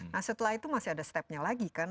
nah setelah itu masih ada stepnya lagi kan